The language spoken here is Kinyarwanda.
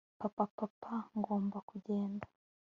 Papa Papa ngomba kugenda